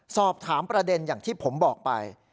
สอบถามประเด็นอย่างที่ผมบอกไป